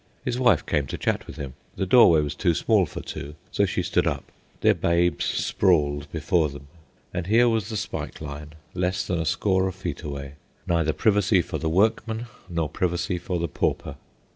His wife came to chat with him. The doorway was too small for two, so she stood up. Their babes sprawled before them. And here was the spike line, less than a score of feet away—neither privacy for the workman, nor privacy for the pauper.